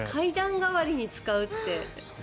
代わりに使うって。